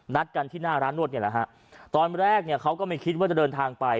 นัดกันที่หน้าร้านนวดเนี่ยแหละฮะตอนแรกเนี่ยเขาก็ไม่คิดว่าจะเดินทางไป